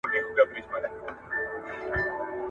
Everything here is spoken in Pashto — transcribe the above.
د نوي قانون وړاندیز څوک کوي؟